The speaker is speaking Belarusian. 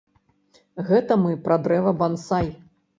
Гэта мы пра дрэва бансай.